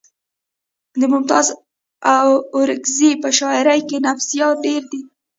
د ممتاز اورکزي په شاعرۍ کې نفسیات ډېر دي